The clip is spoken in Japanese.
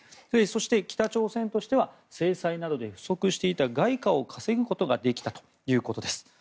そして、北朝鮮としては制裁などで不足していた外貨を稼ぐことができたということです。